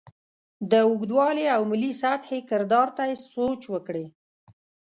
د اوږدوالي او ملي سطحې کردار ته یې سوچ وکړې.